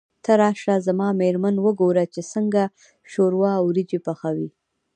ته راشه زما مېرمن وګوره چې څنګه شوروا او وريجې پخوي.